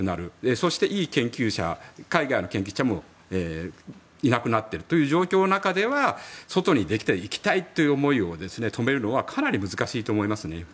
そして、いい研究者海外の研究者もいなくなってる状況の中では外に出ていきたいという思いを止めるのはかなり難しいと思いますね。